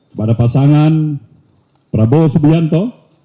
kepada pasangan prabowo subianto